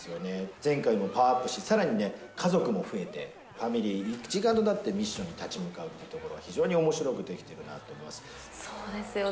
前回よりもパワーアップし、さらに家族も増えて、ファミリー一丸となって、ミッションに立ち向かうというところが非常におもしろく出来てるそうですよね。